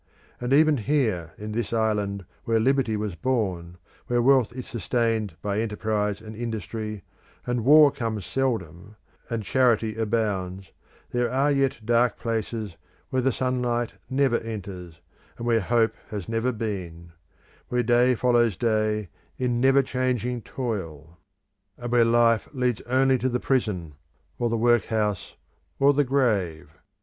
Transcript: And even here in this island, where liberty was born, where wealth is sustained by enterprise and industry, and war comes seldom, and charity abounds, there are yet dark places where the sunlight never enters, and where hope has never been: where day follows day in never changing toil, and where life leads only to the prison, or the work house, or the grave.